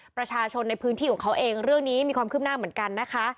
ประชาชนในพื้นที่ของเขาเองเรื่องนี้มีความคืบหน้าเหมือนกันนะคะ